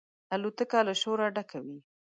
الوتکه له شوره ډکه وي.